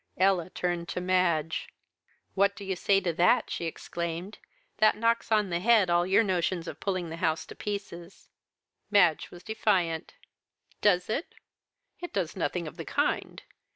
'" Ella turned to Madge. "What do you say to that?" she exclaimed. "That knocks on the head all your notions of pulling the house to pieces." Madge was defiant. "Does it? It does nothing of the kind.